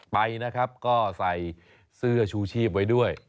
ไปนะครับก็ใส่เสื้อชูชีพไว้ด้วย